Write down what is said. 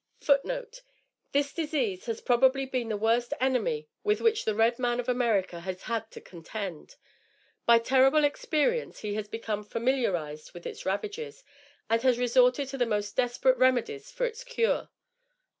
[Footnote 1: This disease has probably been the worst enemy with which the red man of America has had to contend. By terrible experience he has become familiarized with its ravages, and has resorted to the most desperate remedies for its cure.